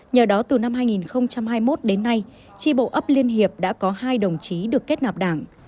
nhờ đó từ năm hai nghìn hai mươi một đến nay tri bộ ấp liên hiệp đã có hai đồng chí được kết nạp đảng